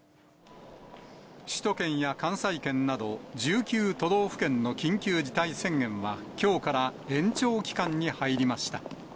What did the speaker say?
首都圏や関西圏など、１９都道府県の緊急事態宣言は、きょうから延長期間に入りました。